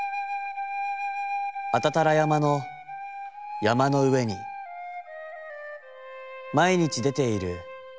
阿多多羅山の山の上に毎日出てゐる